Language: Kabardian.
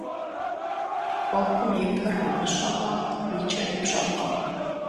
Ӏуэхум и пэр умыщӀэмэ, и кӀэри пщӀэркъым.